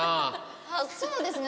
そうですね。